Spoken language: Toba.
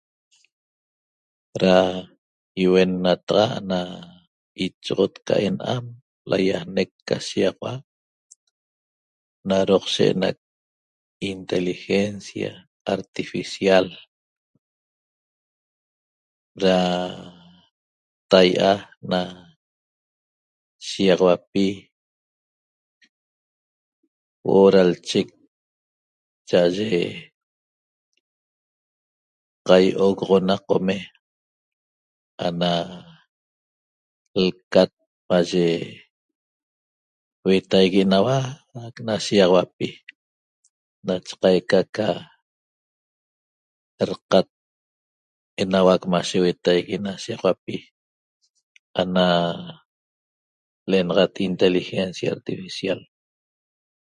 Da ýiuenntaxa ana ichoxot ca ena'am laýajnec ca shiýaxaua qaq na doqshe enac inteligencia artificial da tai'a na shiýaxauapi huo'o da lchec cha'aye qaiogoxona qome ana lcat maye huetaigui enauac na shiýaxauapi nache qaica ca daqat enauac mashe huetaigui na shiýaxauapi ana l'enaxat inteligencia artificial